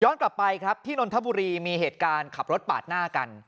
กลับไปครับที่นนทบุรีมีเหตุการณ์ขับรถปาดหน้ากัน